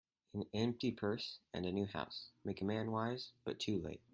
An empty purse, and a new house, make a man wise, but too late.